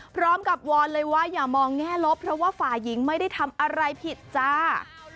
วอนเลยว่าอย่ามองแง่ลบเพราะว่าฝ่ายหญิงไม่ได้ทำอะไรผิดจ้า